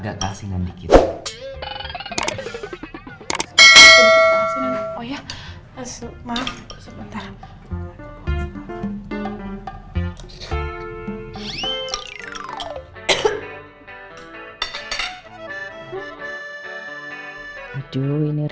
aku gak tau kamu ada apa gak